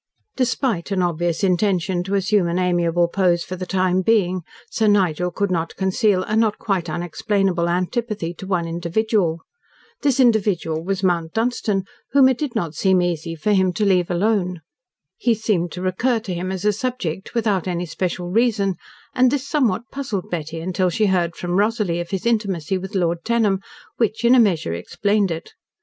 Despite an obvious intention to assume an amiable pose for the time being, Sir Nigel could not conceal a not quite unexplainable antipathy to one individual. This individual was Mount Dunstan, whom it did not seem easy for him to leave alone. He seemed to recur to him as a subject, without any special reason, and this somewhat puzzled Betty until she heard from Rosalie of his intimacy with Lord Tenham, which, in a measure, explained it.